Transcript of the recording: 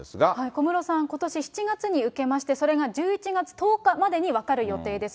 小室さん、ことし７月に受けまして、それが１１月１０日までに分かる予定です。